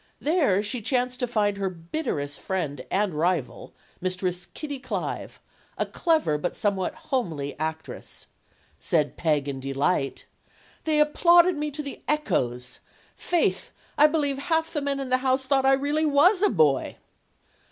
There she chanced to find her bitterest friend and rival, Mistress Kitty Clive, a clever but somewhat homely actress. Said Peg in delight: "They applauded me to the echoes! Faith, I be lieve half the men in the house thought I was really a boy."